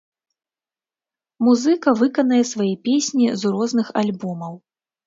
Музыка выканае свае песні з розных альбомаў.